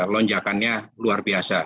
lonjakannya luar biasa